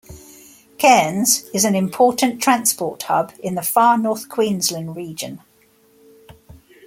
Cairns is an important transport hub in the Far North Queensland region.